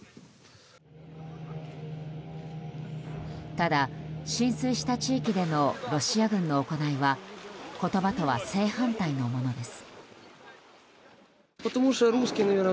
ただ、浸水した地域でのロシア軍の行いは言葉とは正反対のものです。